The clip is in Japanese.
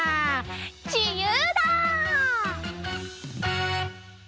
じゆうだ！